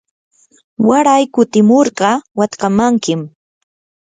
waray kutimurqa watkamankim.